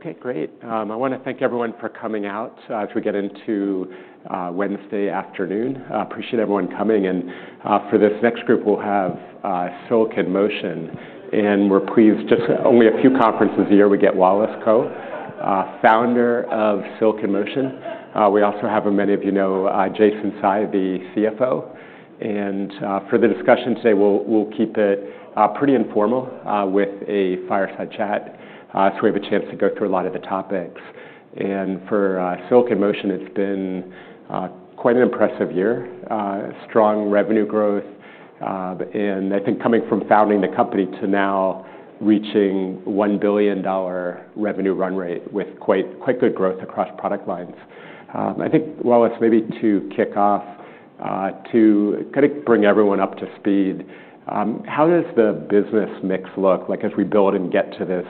Okay, great. I want to thank everyone for coming out as we get into Wednesday afternoon. I appreciate everyone coming. And for this next group, we'll have Silicon Motion. And we're pleased, just only a few conferences a year, we get Wallace Kou, founder of Silicon Motion. We also have, as many of you know, Jason Tsai, the CFO. And for the discussion today, we'll keep it pretty informal with a fireside chat so we have a chance to go through a lot of the topics. And for Silicon Motion, it's been quite an impressive year, strong revenue growth. And I think coming from founding the company to now reaching $1 billion revenue run rate with quite good growth across product lines. I think, Wallace, maybe to kick off, to kind of bring everyone up to speed, how does the business mix look? As we build and get to this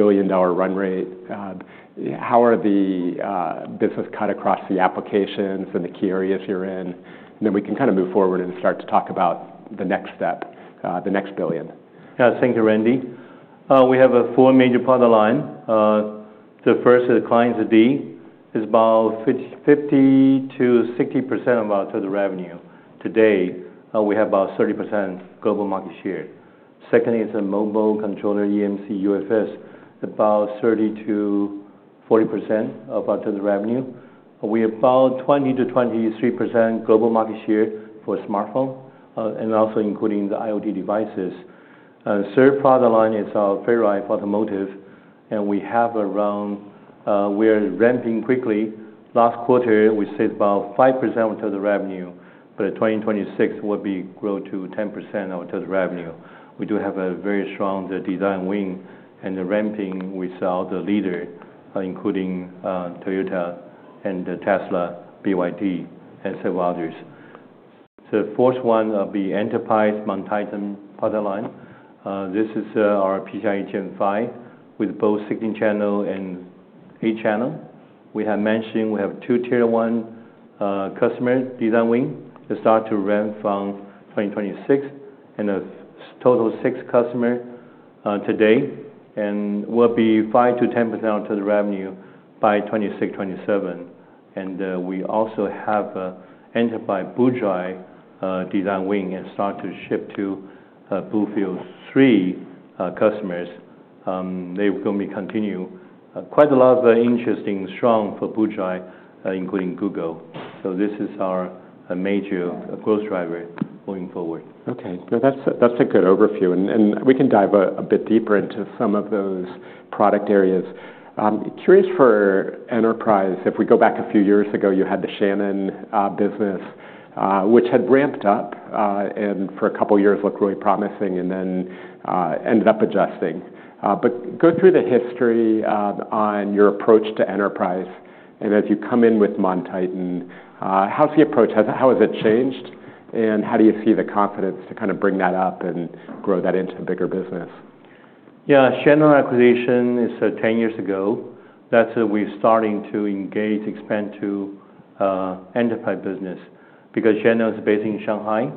billion-dollar run rate, how is the business cut across the applications and the key areas you're in? And then we can kind of move forward and start to talk about the next step, the next billion. Yeah, thank you, Randy. We have four major product lines. The first is Client SSD, is about 50%-60% of our total revenue. Today, we have about 30% global market share. Second is a mobile controller, eMMC UFS, about 30%-40% of our total revenue. We have about 20%-23% global market share for smartphones, and also including the IoT devices. Third product line is our Ferri Automotive, and we have around. We are ramping quickly. Last quarter, we saved about 5% of total revenue, but in 2026, we'll be growing to 10% of total revenue. We do have a very strong design wing, and the ramping, we saw the leader, including Toyota and Tesla, BYD, and several others. The fourth one will be Enterprise MonTitan product line. This is our PCIe Gen 5 with both 16 channels and 8 channels. We have mentioned we have two tier-one customer design wins that start to ramp from 2026, and a total of six customers today, and we'll be 5%-10% of total revenue by 2026, 2027, and we also have an enterprise boot drive design win and start to ship to BlueField-3 customers. They're going to continue quite a lot of interesting storage for boot drive, including Google, so this is our major growth driver going forward. Okay, that's a good overview. And we can dive a bit deeper into some of those product areas. Curious for enterprise, if we go back a few years ago, you had the Shannon business, which had ramped up and for a couple of years looked really promising and then ended up adjusting. But go through the history on your approach to enterprise. And as you come in with MonTitan, how's the approach? How has it changed? And how do you see the confidence to kind of bring that up and grow that into a bigger business? Yeah, Shannon acquisition is 10 years ago. That's when we're starting to engage, expand to enterprise business, because Shannon is based in Shanghai.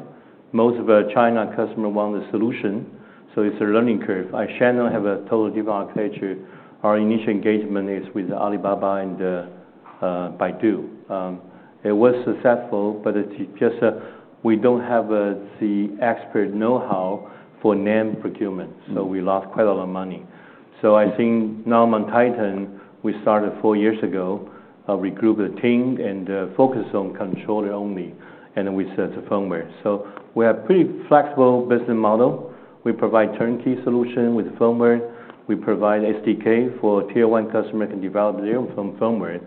Most of our China customers want the solution, so it's a learning curve. Shannon has a total different architecture. Our initial engagement is with Alibaba and Baidu. It was successful, but it's just we don't have the expert know-how for NAND procurement, so we lost quite a lot of money. I think now MonTitan, we started four years ago, regrouped the team and focused on controller only, and then we said it's a firmware. We have a pretty flexible business model. We provide turnkey solutions with firmware. We provide SDK for tier-one customers that can develop their own firmware.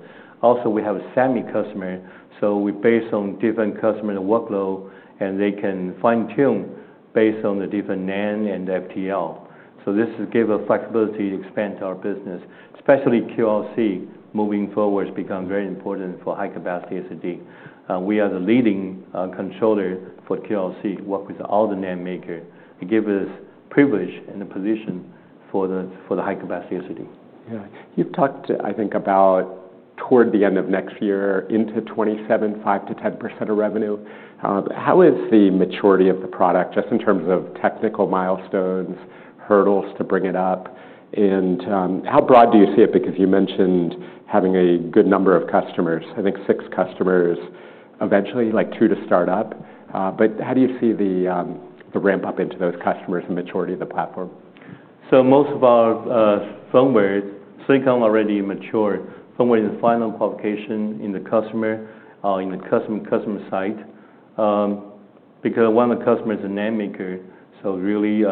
Also, we have a sami customer, so we're based on different customers' workloads, and they can fine-tune based on the different NAND and FTL. So this gives us flexibility to expand our business, especially QLC moving forward has become very important for high-capacity SSD. We are the leading controller for QLC, working with all the NAND makers. It gives us leverage and a position for the high-capacity SSD. Yeah. You've talked, I think, about toward the end of next year, into 2027, 5%-10% of revenue. How is the maturity of the product, just in terms of technical milestones, hurdles to bring it up? And how broad do you see it? Because you mentioned having a good number of customers, I think six customers, eventually like two to start up. But how do you see the ramp-up into those customers and maturity of the platform? So most of our firmware, Silicon already matured. Firmware is final qualification in the customer, in the customer site, because one of the customers is a NAND maker. So really,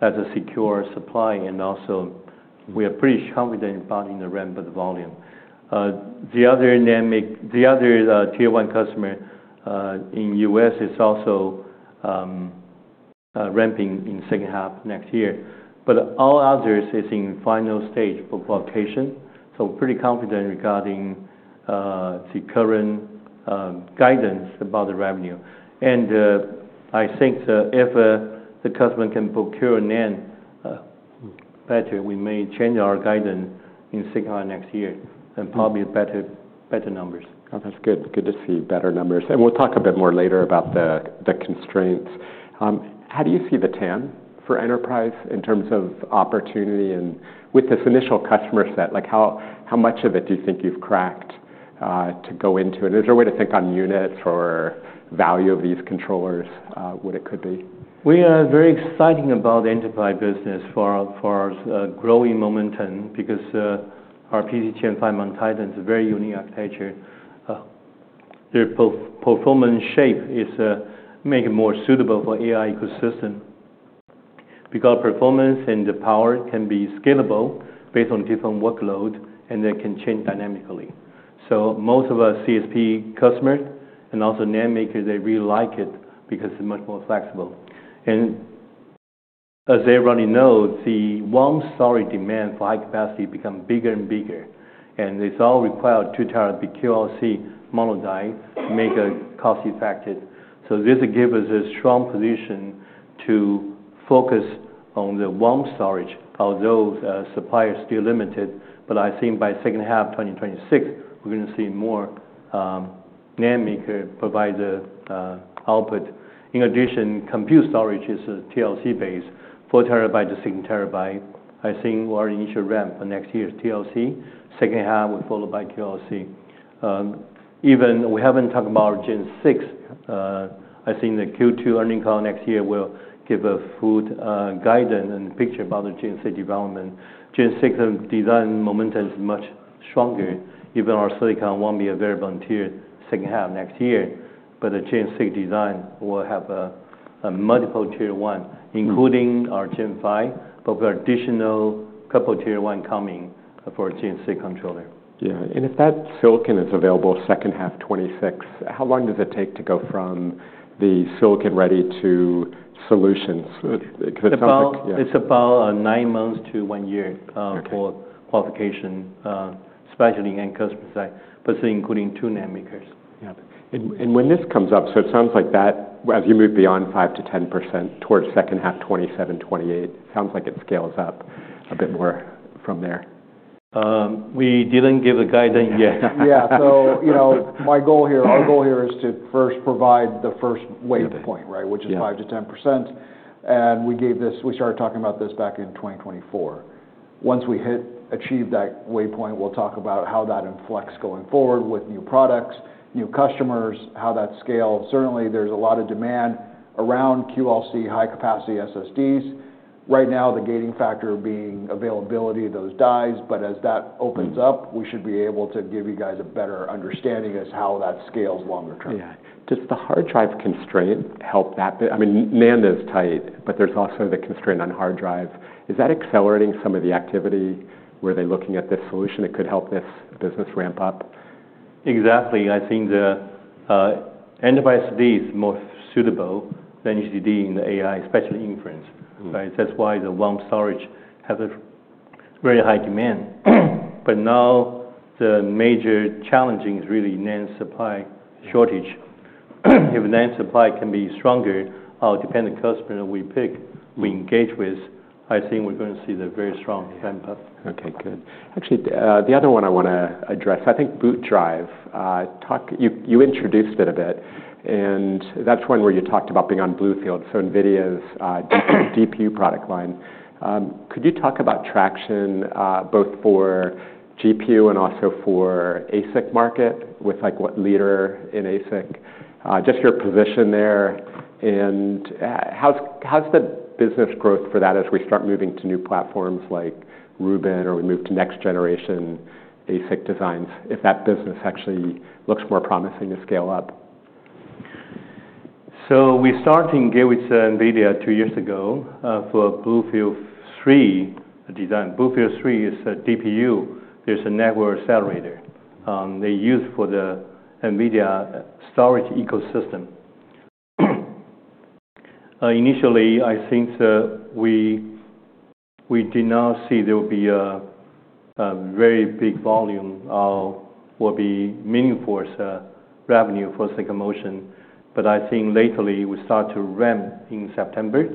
that's a secure supply. And also, we are pretty confident about the ramp of the volume. The other tier-one customer in the U.S. is also ramping in the second half next year. But all others are in the final stage for qualification. So we're pretty confident regarding the current guidance about the revenue. And I think if the customer can procure a NAND better, we may change our guidance in the second half of next year and probably better numbers. Oh, that's good. Good to see better numbers. And we'll talk a bit more later about the constraints. How do you see the TAM for enterprise in terms of opportunity? And with this initial customer set, how much of it do you think you've cracked to go into it? Is there a way to think on units or value of these controllers, what it could be? We are very excited about the enterprise business for our growing momentum because our PCIe Gen5 MonTitan is a very unique architecture. Their performance shape is made more suitable for the AI ecosystem because performance and the power can be scalable based on different workloads, and they can change dynamically. So most of our CSP customers and also NAND makers, they really like it because it's much more flexible. And as everybody knows, the warm SSD demand for high-capacity has become bigger and bigger. And it's all required to try to be QLC to make it cost-effective. So this gives us a strong position to focus on the warm storage. Although suppliers are still limited, but I think by the second half of 2026, we're going to see more NAND makers provide the output. In addition, compute storage is TLC-based, 4 TB-6 TB. I think we're already in the initial ramp for next year, TLC. Second half will follow by QLC. Even, we haven't talked about Gen 6. I think the Q2 earnings call next year will give us good guidance and a picture about the Gen 6 development. Gen 6 design momentum is much stronger. Even our silicon won't be available until the second half of next year, but the Gen 6 design will have multiple tier-one, including our Gen 5, but we have additional couple of tier-one coming for Gen 6 controller. Yeah. And if that silicon is available second half of 2026, how long does it take to go from the silicon-ready to solutions? Because it sounds like. It's about nine months to one year for qualification, especially in the end customer side, but including two NAND makers. When this comes up, so it sounds like that, as you move beyond 5%-10% towards second half of 2027, 2028, it sounds like it scales up a bit more from there. We didn't give a guidance yet. Yeah. So my goal here, our goal here is to first provide the first waypoint, right, which is 5%-10%. And we started talking about this back in 2024. Once we achieve that waypoint, we'll talk about how that inflects going forward with new products, new customers, how that scales. Certainly, there's a lot of demand around QLC high-capacity SSDs. Right now, the gating factor being availability of those dies, but as that opens up, we should be able to give you guys a better understanding as to how that scales longer term. Yeah. Does the hard drive constraint help that? I mean, NAND is tight, but there's also the constraint on hard drives. Is that accelerating some of the activity where they're looking at this solution that could help this business ramp up? Exactly. I think the enterprise SSD is more suitable than HDD in the AI, especially inference. That's why the warm storage has a very high demand. But now the major challenge is really NAND supply shortage. If NAND supply can be stronger, our dependent customers we pick, we engage with, I think we're going to see a very strong ramp-up. Okay, good. Actually, the other one I want to address, I think boot drive. You introduced it a bit, and that's one where you talked about being on BlueField, so NVIDIA's GPU product line. Could you talk about traction both for GPU and also for ASIC market with what leader in ASIC? Just your position there. And how's the business growth for that as we start moving to new platforms like Rubin or we move to next-generation ASIC designs, if that business actually looks more promising to scale up? So we started engaging with NVIDIA two years ago for BlueField-3 design. BlueField-3 is a GPU. There's a network accelerator they use for the NVIDIA storage ecosystem. Initially, I think we did not see there would be a very big volume or will be meaningful revenue for Silicon Motion. But I think lately we start to ramp in September.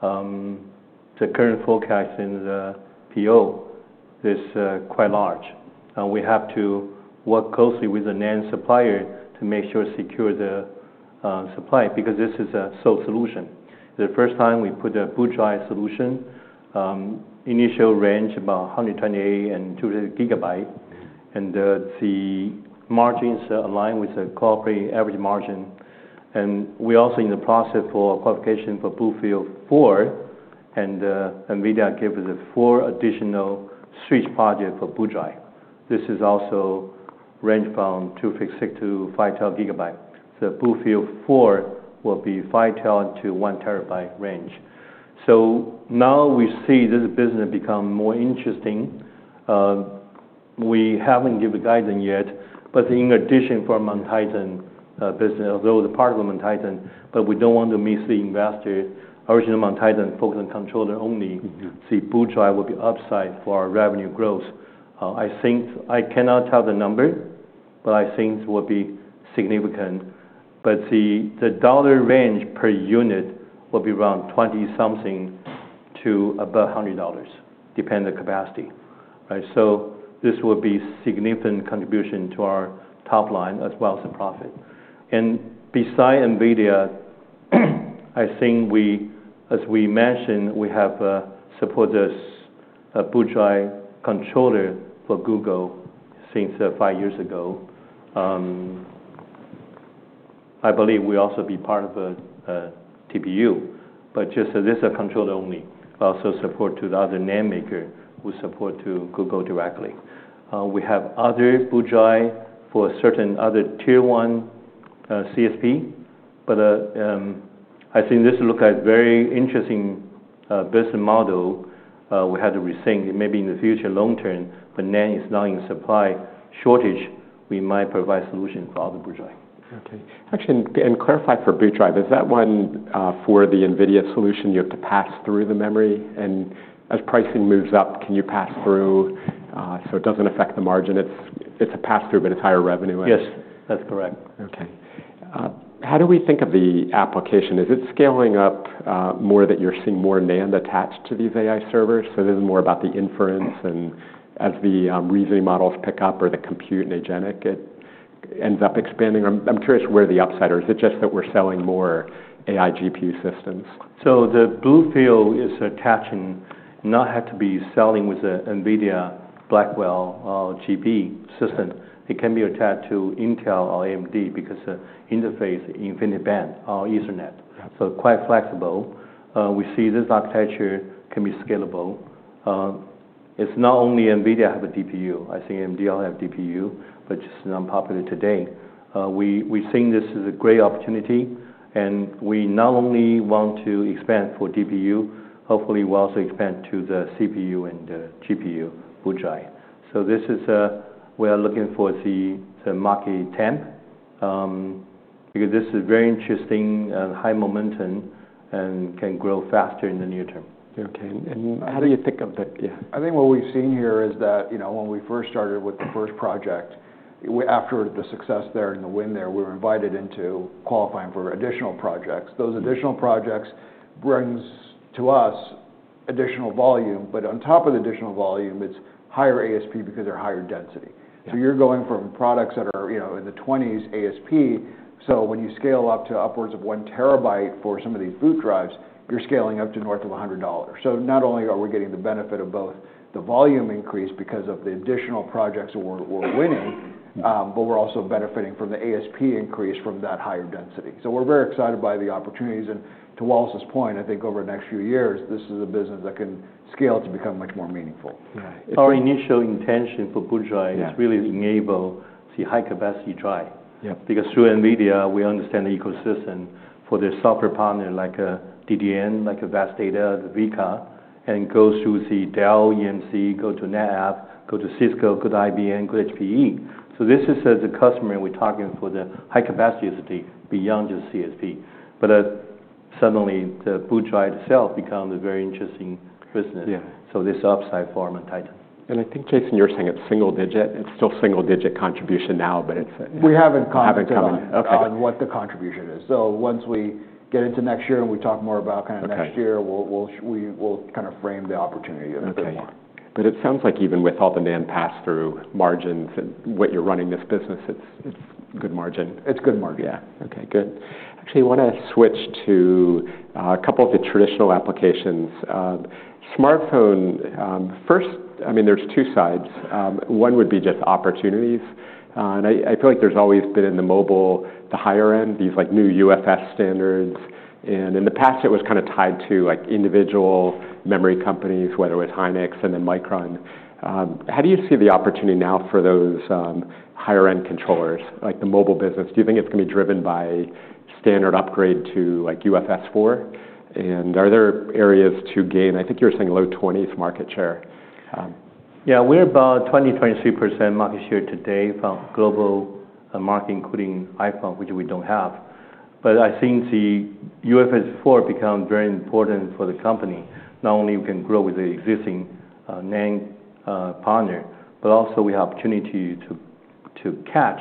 The current forecast in the PO is quite large. We have to work closely with the NAND supplier to make sure to secure the supply because this is a sole solution. The first time we put a boot drive solution, initial range about 128-200 GB, and the margins align with the corporate average margin. And we're also in the process for qualification for BlueField-4, and NVIDIA gave us four additional switch projects for boot drive. This is also range from 256-512 GB. BlueField-4 will be 512- to 1 TB range. Now we see this business become more interesting. We haven't given guidance yet, but in addition for MonTitan business, although it's part of MonTitan, but we don't want to miss the investor. Originally MonTitan focused on controller only. The boot drive will be upside for our revenue growth. I cannot tell the number, but I think it will be significant. But the dollar range per unit will be around 20-something to about $100, depending on the capacity. This will be a significant contribution to our top line as well as the profit. Besides NVIDIA, I think, as we mentioned, we have supported boot drive controller for Google since five years ago. I believe we also be part of a TPU, but just this is a controller only. We also support to the other NAND maker who support to Google directly. We have other boot drive for certain other tier-one CSP, but I think this looks like a very interesting business model. We had to rethink it maybe in the future, long term, but NAND is now in supply shortage. We might provide solution for other boot drive. Okay. Actually, and clarify for boot drive, is that one for the NVIDIA solution you have to pass through the memory? And as pricing moves up, can you pass through so it doesn't affect the margin? It's a pass-through, but it's higher revenue. Yes, that's correct. Okay. How do we think of the application? Is it scaling up more that you're seeing more NAND attached to these AI servers? So this is more about the inference. And as the reasoning models pick up or the compute and agentic, it ends up expanding. I'm curious where the upside is. Is it just that we're selling more AI GPU systems? So the BlueField is attaching, not have to be selling with an NVIDIA Blackwell GB system. It can be attached to Intel or AMD because the interface, InfiniBand or Ethernet. So quite flexible. We see this architecture can be scalable. It's not only NVIDIA have a GPU. I think AMD all have GPU, but it's non-popular today. We think this is a great opportunity, and we not only want to expand for GPU, hopefully we'll also expand to the CPU and the GPU boot drive. So this is we are looking for the market TAM because this is very interesting, high momentum, and can grow faster in the near term. Okay. How do you think of the, yeah? I think what we've seen here is that when we first started with the first project, after the success there and the win there, we were invited into qualifying for additional projects. Those additional projects bring to us additional volume, but on top of the additional volume, it's higher ASP because they're higher density. So you're going from products that are in the 20s ASP. So when you scale up to upwards of 1 terabyte for some of these boot drives, you're scaling up to north of $100. So not only are we getting the benefit of both the volume increase because of the additional projects that we're winning, but we're also benefiting from the ASP increase from that higher density. So we're very excited by the opportunities. To Wallace's point, I think over the next few years, this is a business that can scale to become much more meaningful. Yeah. Our initial intention for boot drive is really to enable the high-capacity drive. Because through NVIDIA, we understand the ecosystem for the software partner, like DDN, like VAST Data, WEKA, and go through the Dell, EMC, go to NetApp, go to Cisco, go to IBM, go to HPE. So this is the customer we're talking for the high-capacity SSD beyond just CSP. But suddenly, the boot drive itself becomes a very interesting business. So there's upside for MonTitan. I think, Jason, you're saying it's single digit. It's still single digit contribution now, but it's. We haven't commented on what the contribution is. So once we get into next year and we talk more about kind of next year, we'll kind of frame the opportunity a bit more. But it sounds like even with all the NAND pass-through margins and what you're running this business, it's good margin. It's good margin. Yeah. Okay, good. Actually, I want to switch to a couple of the traditional applications. Smartphone first, I mean, there's two sides. One would be just opportunities. And I feel like there's always been in the mobile, the higher end, these new UFS standards. And in the past, it was kind of tied to individual memory companies, whether it was Hynix and then Micron. How do you see the opportunity now for those higher-end controllers, like the mobile business? Do you think it's going to be driven by standard upgrade to UFS 4.0? And are there areas to gain? I think you were saying low 20s market share. Yeah, we're about 20%-23% market share today from global market, including iPhone, which we don't have. But I think the UFS 4.0 becomes very important for the company. Not only we can grow with the existing NAND partner, but also we have opportunity to catch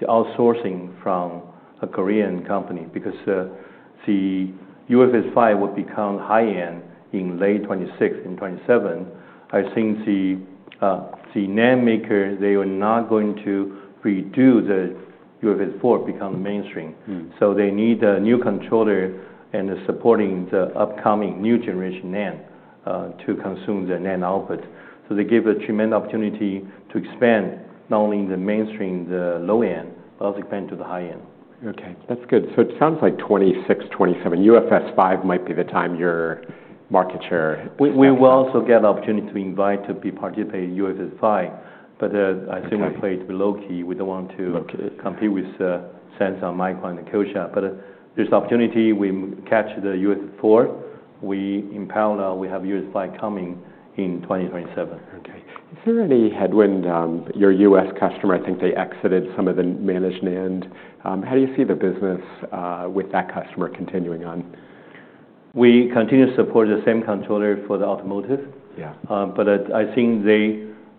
the outsourcing from a Korean company because the UFS 5.0 will become high-end in late 2026 and 2027. I think the NAND makers, they are not going to redo the UFS 4.0 become mainstream. So they need a new controller and supporting the upcoming new generation NAND to consume the NAND output. So they give a tremendous opportunity to expand not only in the mainstream, the low end, but also expand to the high end. Okay, that's good. So it sounds like 2026, 2027, UFS 5.0 might be the time your market share. We will also get an opportunity to invite to be participating in UFS 5.0, but I think my play is low key. We don't want to compete with Samsung, Micron, and Kioxia, but there's opportunity. We catch the UFS 4.0. We in parallel, we have UFS 5.0 coming in 2027. Okay. Certainly, had when your U.S. customer, I think they exited some of the managed NAND, how do you see the business with that customer continuing on? We continue to support the same controller for the automotive. But I think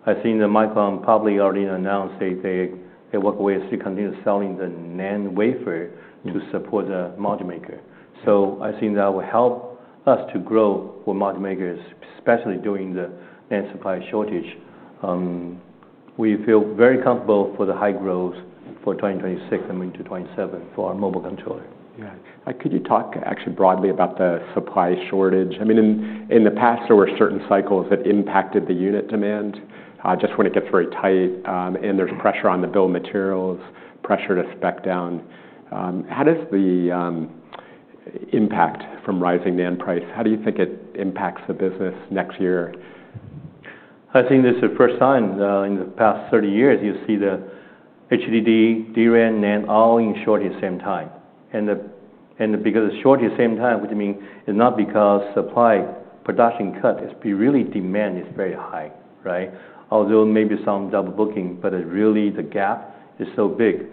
the Micron probably already announced they work with us to continue selling the NAND wafer to support the multi-maker. So I think that will help us to grow for multi-makers, especially during the NAND supply shortage. We feel very comfortable for the high growth for 2026 and into 2027 for our mobile controller. Yeah. Could you talk actually broadly about the supply shortage? I mean, in the past, there were certain cycles that impacted the unit demand. Just when it gets very tight and there's pressure on the bill of materials, pressure to spec down. How does the impact from rising NAND price, how do you think it impacts the business next year? I think this is the first time in the past 30 years you'll see the HDD, DRAM, NAND all in short at the same time. And because it's short at the same time, which means it's not because supply production cut, it's really demand is very high, right? Although maybe some double booking, but really the gap is so big.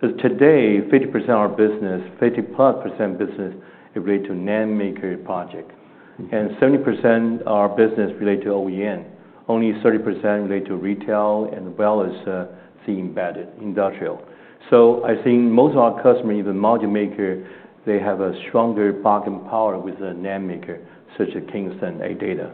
Today, 50% of our business, 50+% business is related to NAND maker project. And 70% of our business related to OEM. Only 30% related to retail as well as the embedded industrial. So I think most of our customers, even module maker, they have a stronger buying power with a NAND maker such as Kingston and ADATA.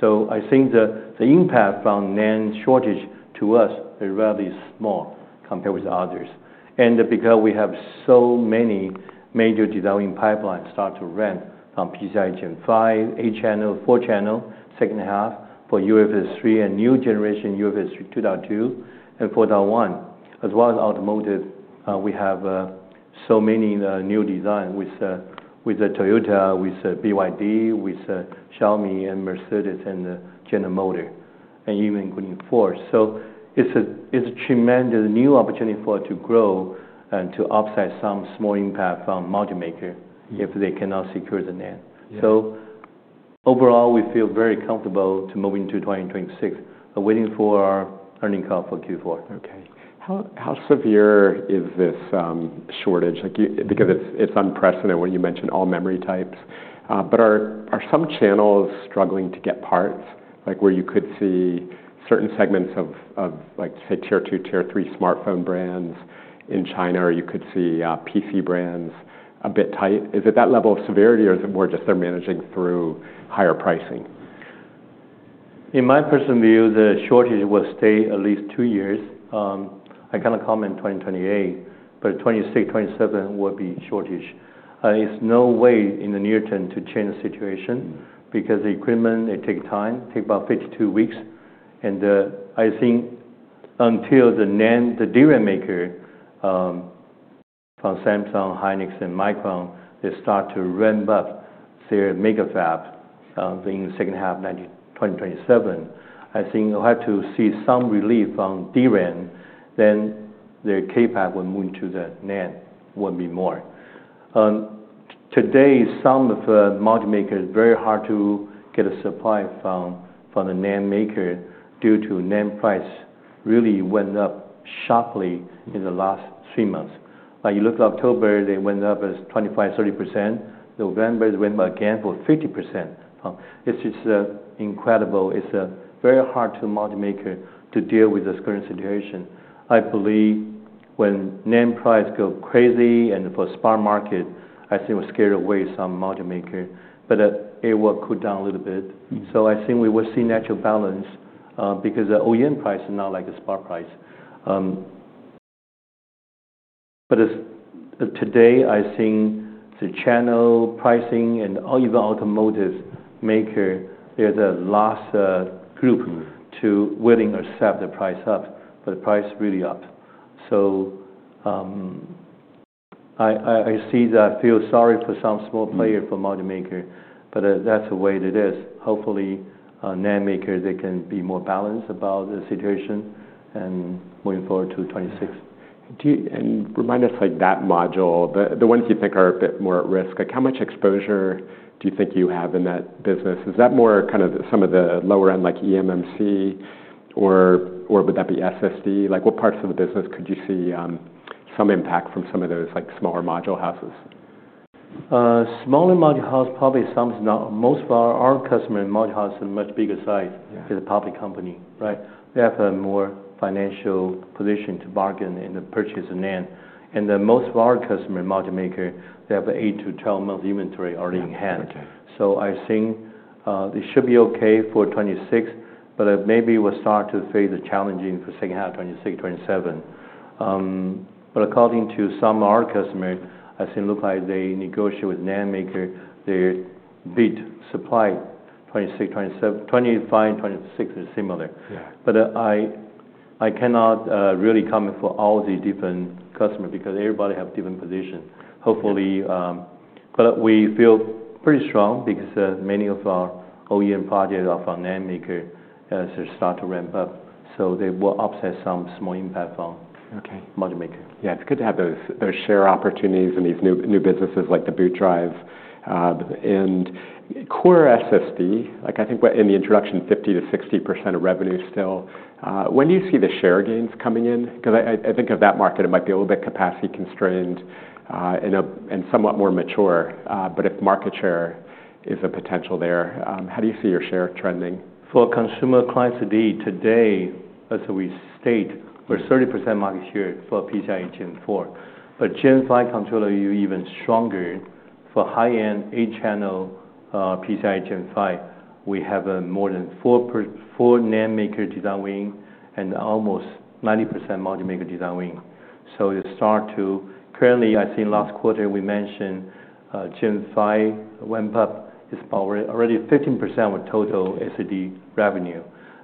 So I think the impact from NAND shortage to us is rather small compared with others. Because we have so many major developing pipelines start to run on PCIe Gen 5, eight channel, four channel, second half for UFS 3.0 and new generation UFS 2.2 and 4.1, as well as automotive, we have so many new designs with Toyota, with BYD, with Xiaomi and Mercedes and General Motors, and even including Ford. So it's a tremendous new opportunity for us to grow and to offset some small impact from multimaker if they cannot secure the NAND. So overall, we feel very comfortable to move into 2026, waiting for our earnings call for Q4. Okay. How severe is this shortage? Because it's unprecedented when you mentioned all memory types. But are some channels struggling to get parts where you could see certain segments of, say, tier two, tier three smartphone brands in China, or you could see PC brands a bit tight? Is it that level of severity, or is it more just they're managing through higher pricing? In my personal view, the shortage will stay at least two years. I kind of comment 2028, but 2026, 2027 will be shortage. There's no way in the near term to change the situation because the equipment, it takes time, takes about 52 weeks, and I think until the NAND, the DRAM maker from Samsung, Hynix, and Micron, they start to ramp up their mega fabs in the second half of 2027. I think we'll have to see some relief from DRAM, then their K-pack will move into the NAND, will be more. Today, some of the module makers are very hard to get a supply from the NAND maker due to NAND price really went up sharply in the last three months. You look at October, they went up 25%-30%. November, they went up again for 50%. It's just incredible. It's very hard for module makers to deal with this current situation. I believe when NAND price goes crazy and for spot market, I think we'll scare away some module makers, but it will cool down a little bit. So I think we will see natural balance because the OEM price is not like a spot price. But today, I think the channel pricing and even automotive makers, there's a loss group to willingly accept the price up, but the price really up. So I see that I feel sorry for some small players for module makers, but that's the way it is. Hopefully, NAND makers, they can be more balanced about the situation and moving forward to 2026. Remind us that module, the ones you think are a bit more at risk, how much exposure do you think you have in that business? Is that more kind of some of the lower end, like eMMC, or would that be SSD? What parts of the business could you see some impact from some of those smaller module houses? Smaller module maker, probably some is not. Most of our customer module maker is a much bigger size because it's a public company, right? They have a more financial position to bargain and purchase the NAND. And most of our customer module maker, they have 8-12 months inventory already in hand. So I think it should be okay for 2026, but maybe we'll start to face the challenges for second half 2026, 2027. But according to some of our customers, I think look like they negotiate with NAND maker, they're bid supply 2026, 2027. 2025 and 2026 are similar. But I cannot really comment for all the different customers because everybody has different positions. Hopefully, we feel pretty strong because many of our OEM projects are from NAND maker as they start to ramp up. So they will offset some small impact from module maker. Yeah, it's good to have those share opportunities in these new businesses like the boot drive, and core SSD. I think in the introduction, 50%-60% of revenue still. When do you see the share gains coming in? Because I think of that market, it might be a little bit capacity constrained and somewhat more mature, but if market share is a potential there, how do you see your share trending? For consumer clients today, as we state, we're 30% market share for PCIe Gen 4. But Gen 5 controller is even stronger for high-end 8-channel PCIe Gen 5. We have more than four NAND maker design wins and almost 90% multi-maker design wins. So it starts to, currently, I think last quarter we mentioned Gen 5 ramp up is already 15% of total SSD revenue,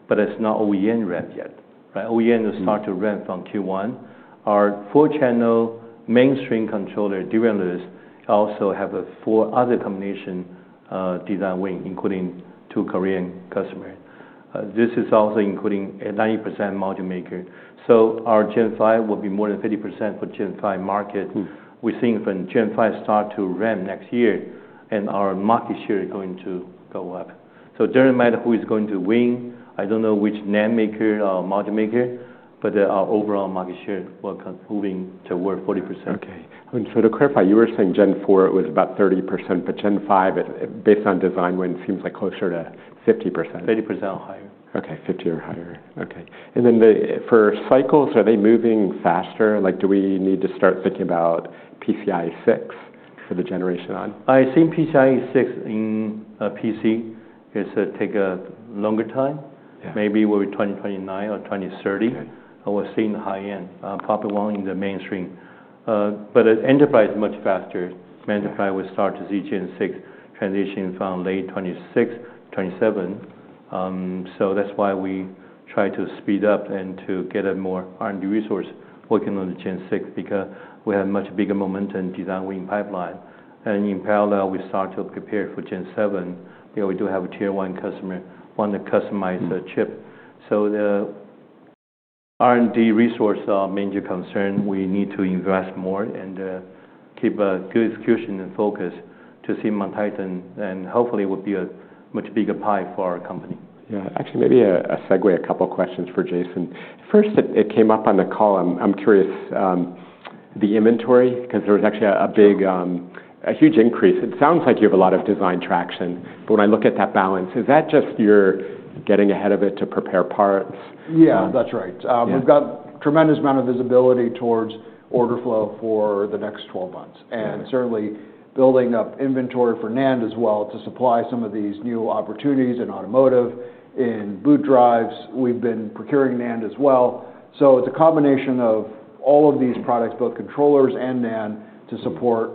but it's not OEM ramp yet. OEM will start to ramp from Q1. Our four-channel mainstream controller, DRAM-less, also have four other combination design wins, including two Korean customers. This is also including a 90% multi-maker. So our Gen 5 will be more than 50% for Gen 5 market. We're seeing from Gen 5 start to ramp next year, and our market share is going to go up. So it doesn't matter who is going to win. I don't know which NAND maker or multi-maker, but our overall market share will continue to work 40%. Okay. So to clarify, you were saying Gen 4 was about 30%, but Gen 5, based on design win, seems like closer to 50%. 50% or higher. Okay, 50 or higher. Okay. And then for cycles, are they moving faster? Do we need to start thinking about PCIe Gen 6 for the generation on? I think PCIe 6.0 in a PC is going to take a longer time. Maybe we'll be 2029 or 2030. We'll see in the high end, probably one in the mainstream. But enterprise is much faster. Enterprise will start to see Gen 6 transition from late 2026, 2027. So that's why we try to speed up and to get a more R&D resource working on the Gen 6 because we have much bigger momentum design win pipeline. And in parallel, we start to prepare for Gen 7. We do have a tier one customer wanting to customize the chip. So the R&D resource are our major concern. We need to invest more and keep a good execution and focus to see that happen. And hopefully, it will be a much bigger pie for our company. Yeah. Actually, maybe a segue, a couple of questions for Jason. First, it came up on the call. I'm curious, the inventory, because there was actually a huge increase. It sounds like you have a lot of design traction, but when I look at that balance, is that just you're getting ahead of it to prepare parts? Yeah, that's right. We've got a tremendous amount of visibility towards order flow for the next 12 months. And certainly building up inventory for NAND as well to supply some of these new opportunities in automotive, in boot drives. We've been procuring NAND as well. So it's a combination of all of these products, both controllers and NAND, to support,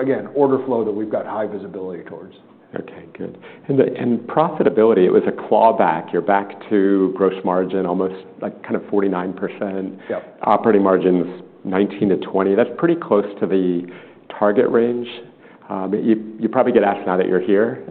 again, order flow that we've got high visibility towards. Okay, good. And profitability, it was a clawback. You're back to gross margin, almost like kind of 49%. Operating margins, 19%-20%. That's pretty close to the target range. You probably get asked now that you're here,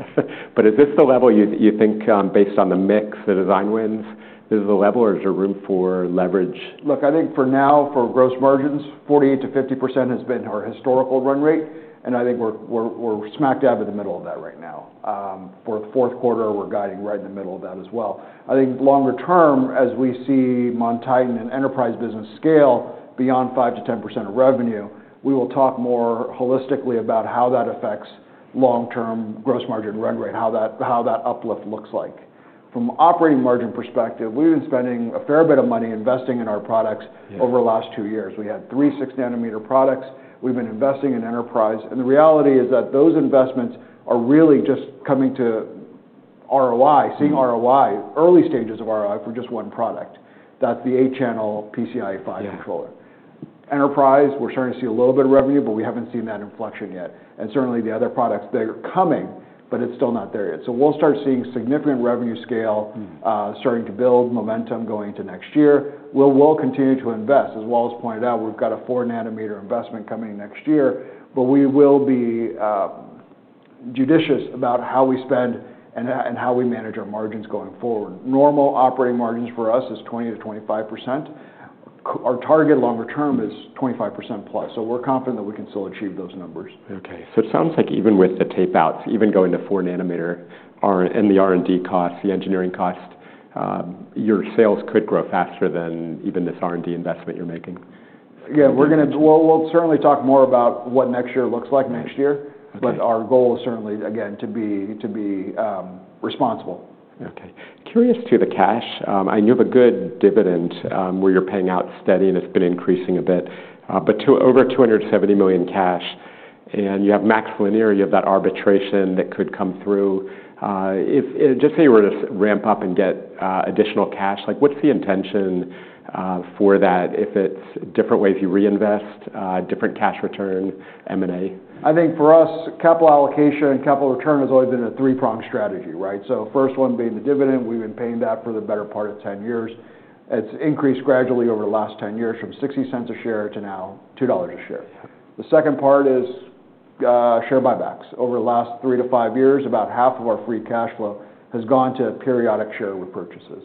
but is this the level you think based on the mix, the design wins, is this the level or is there room for leverage? Look, I think for now, for gross margins, 48%-50% has been our historical run rate, and I think we're smack dab in the middle of that right now. For fourth quarter, we're guiding right in the middle of that as well. I think longer term, as we see MonTitan and enterprise business scale beyond 5%-10% of revenue, we will talk more holistically about how that affects long-term gross margin run rate, how that uplift looks like. From an operating margin perspective, we've been spending a fair bit of money investing in our products over the last two years. We had three six-nanometer products. We've been investing in enterprise, and the reality is that those investments are really just coming to ROI, seeing ROI, early stages of ROI for just one product. That's the eight-channel PCIe Gen 5 controller. Enterprise, we're starting to see a little bit of revenue, but we haven't seen that inflection yet, and certainly the other products, they're coming, but it's still not there yet, so we'll start seeing significant revenue scale, starting to build momentum going into next year. We'll continue to invest. As Wallace pointed out, we've got a 4-nanometer investment coming next year, but we will be judicious about how we spend and how we manage our margins going forward. Normal operating margins for us is 20%-25%. Our target longer term is 25%+. We're confident that we can still achieve those numbers. Okay. So it sounds like even with the tape outs, even going to 4-nanometer and the R&D costs, the engineering costs, your sales could grow faster than even this R&D investment you're making. Yeah, we're going to, well, we'll certainly talk more about what next year looks like next year, but our goal is certainly, again, to be responsible. Okay. Curious to the cash. I know you have a good dividend where you're paying out steady and it's been increasing a bit, but over $270 million cash. And you have MaxLinear, you have that arbitration that could come through. If just say you were to ramp up and get additional cash, what's the intention for that if it's different ways you reinvest, different cash return, M&A? I think for us, capital allocation, capital return has always been a three-pronged strategy, right? So first one being the dividend, we've been paying that for the better part of 10 years. It's increased gradually over the last 10 years from $0.60 a share to now $2 a share. The second part is share buybacks. Over the last three to five years, about half of our free cash flow has gone to periodic shareholder purchases.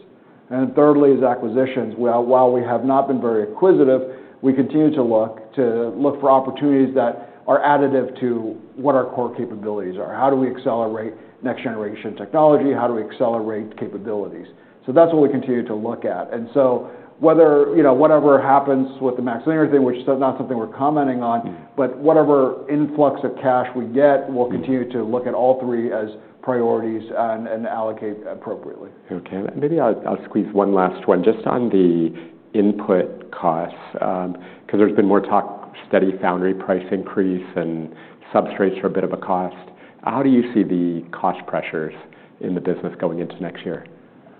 And thirdly is acquisitions. While we have not been very acquisitive, we continue to look for opportunities that are additive to what our core capabilities are. How do we accelerate next generation technology? How do we accelerate capabilities? So that's what we continue to look at. And so whatever happens with the MaxLinear thing, which is not something we're commenting on, but whatever influx of cash we get, we'll continue to look at all three as priorities and allocate appropriately. Okay. Maybe I'll squeeze one last one just on the input costs, because there's been more talk of steady foundry price increase and substrates are a bit of a cost. How do you see the cost pressures in the business going into next year?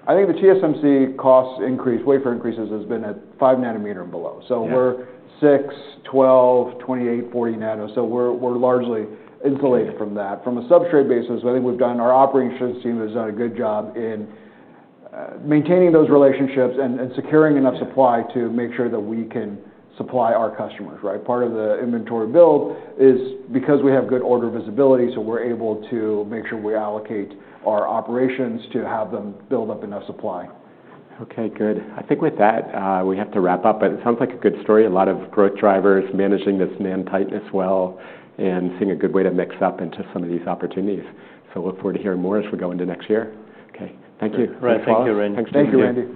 I think the TSMC cost increase, wafer increases has been at 5-nanometer and below. So we're 6, 12, 28, 40 nano. So we're largely insulated from that. From a substrate basis, I think our operating system team has done a good job in maintaining those relationships and securing enough supply to make sure that we can supply our customers, right? Part of the inventory build is because we have good order visibility, so we're able to make sure we allocate our operations to have them build up enough supply. Okay, good. I think with that, we have to wrap up, but it sounds like a good story. A lot of growth drivers managing this NAND tightness well and seeing a good way to mix up into some of these opportunities. So look forward to hearing more as we go into next year. Okay. Thank you. Thank you, Randy. Thank you, Randy.